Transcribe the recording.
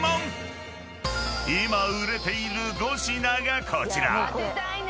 ［今売れている５品がこちら］